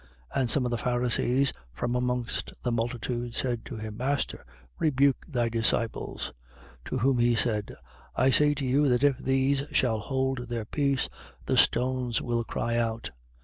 19:39. And some of the Pharisees, from amongst the multitude, said to him: Master, rebuke thy disciples. 19:40. To whom he said: I say to you that if these shall hold their peace, the stones will cry out.